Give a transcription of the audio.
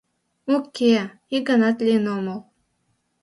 — Уке, ик ганат лийын омыл.